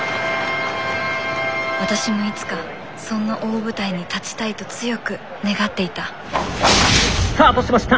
私もいつかそんな大舞台に立ちたいと強く願っていたスタートしました。